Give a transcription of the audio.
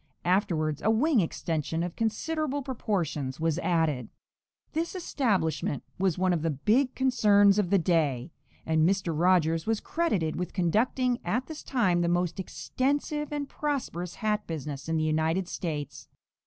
Afterwards a wing extension of considerable proportions was added. [Illustration: Hat shop of Jacob Rogers, built about 1805.] This establishment was one of the "big" concerns of the day, and Mr. Rogers was credited with conducting, at this time, the most extensive and prosperous hat business in the United States.